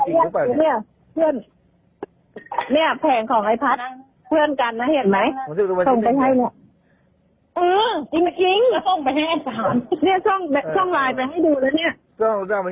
เนี่ยแผงของไอพัท